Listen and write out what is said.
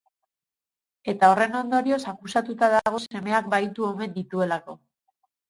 Eta horren ondorioz akusatuta dago semeak bahitu omen dituelako.